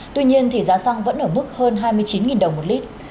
tuy nhiên thì giá xăng vẫn ở mức hơn hai mươi chín đồng một lít